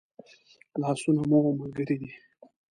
لاسونه مو ملګري دي